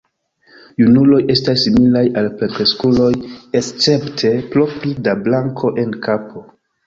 Junuloj estas similaj al plenkreskuloj escepte pro pli da blanko en kapo.